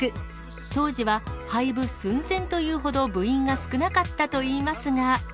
当時は廃部寸前というほど部員が少なかったといいますが。